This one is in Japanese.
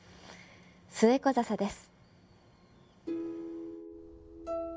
スエコザサです。